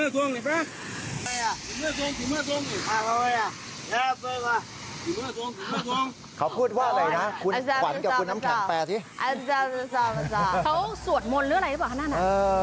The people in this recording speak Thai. เขาสวดมนต์หรืออะไรหรือเปล่าคะนั่นน่ะ